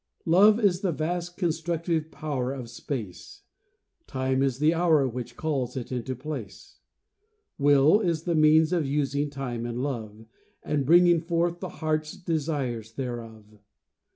Love is the vast constructive power of space; Time is the hour which calls it into place; Will is the means of using time and love, And bringing forth the heart's desires thereof.